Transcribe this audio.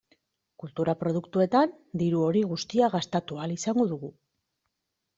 Kultura produktuetan diru hori guztia gastatu ahal izango dugu.